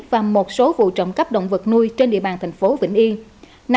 và một số vụ trộm cắp động vật nuôi trên địa bàn thành phố vĩnh yên